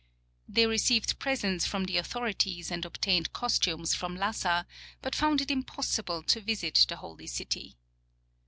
They received presents from the au thorities and obtained costumes from Lassa, but found it impos sible to visit the "holy city."